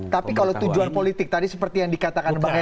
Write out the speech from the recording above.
tapi kalau tujuan politik tadi seperti yang dikatakan bang eri